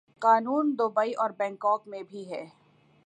قانون دوبئی اور بنکاک میں بھی ہے۔